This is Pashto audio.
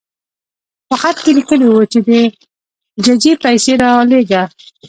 په خط کې لیکلي وو چې د ججې پیسې رالېږه.